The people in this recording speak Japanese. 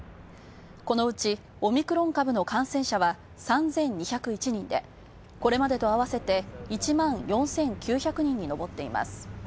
このうちオミクロン株の感染者は３２０１人でこれまでと合わせて１万４９００人に上っています。